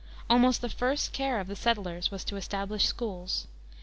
Almost the first care of the settlers was to establish schools.